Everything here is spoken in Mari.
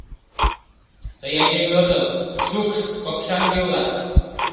Тый айдеме отыл — шукш, копшаҥге улат.